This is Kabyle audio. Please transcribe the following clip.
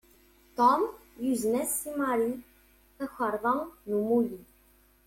Tom yuzen-as i Mary takarḍa n umulli.